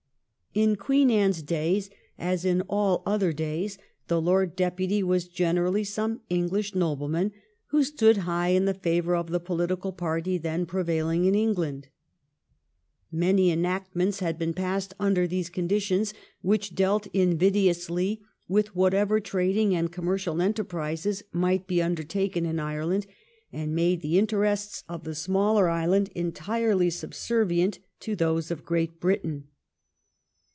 In Queen Anne's days, as in all other days, the Lord Deputy was generally some English noble man who stood high in the favour of the political party then prevailing in England. Many enact ments had been passed under these conditions, which dealt invidiously with whatever trading and com mercial enterprises might be undertaken in Ireland, and made the interests of the smaller island entirely subservient to those of Great Britain.